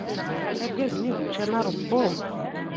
Argaz-nni bu ucamar d Tom.